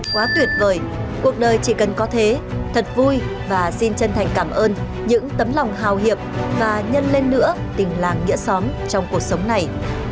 quá tuyệt vời cuộc đời chỉ cần có thế thật vui và xin chân thành cảm ơn những tấm lòng hào hiệp và nhân lên nữa tình làng nghĩa xóm trong cuộc sống này